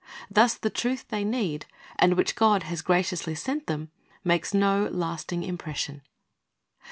Thus the truth they need, and which God has graciously sent them, makes no lasting impression.